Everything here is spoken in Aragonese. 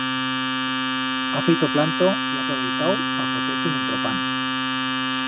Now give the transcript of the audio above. Ha feito planto y ha aproveitau pa foter-se un entropán.